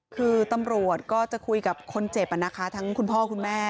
คือตำรวจก็จะคุยกับคนเจ็บนะคะทั้งคุณพ่อคุณแม่